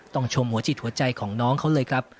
ชมหัวจิตหัวใจของน้องเขาเลยครับ